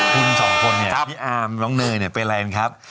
คุณสองคนเนี่ยพี่อาร์มน้องเนยเนี่ยเป็นอะไรกันครับ